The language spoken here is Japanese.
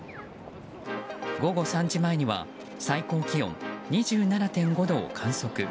午後３時前には最高気温２７．５度を観測。